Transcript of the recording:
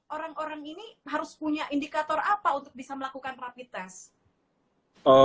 orang orang ini harus punya indikator apa untuk bisa melakukan rapid test